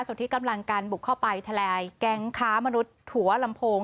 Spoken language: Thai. ส่วนที่กำลังการบุกเข้าไปทะลายแก๊งค้ามนุษย์ถั่วลำโพง